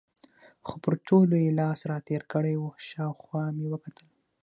خو پر ټولو یې لاس را تېر کړی و، شاوخوا مې وکتل.